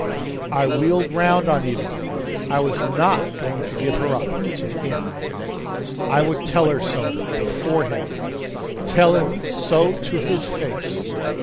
I wheeled round on Eva. I was not going to give her up to him. I would tell her so before him tell him so to his face.